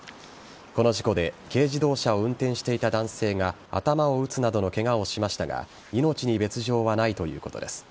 この事故で軽自動車を運転していた男性が頭を打つなどのケガをしましたが命に別条はないということです。